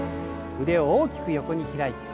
腕を大きく横に開いて。